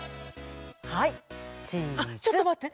はいチー。